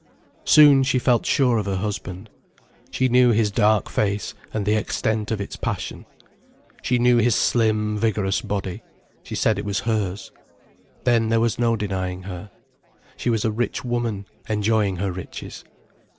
Soon, she felt sure of her husband. She knew his dark face and the extent of its passion. She knew his slim, vigorous body, she said it was hers. Then there was no denying her. She was a rich woman enjoying her riches.